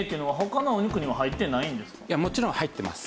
いやもちろん入ってます。